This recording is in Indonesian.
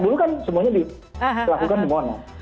dulu kan semuanya dilakukan di monas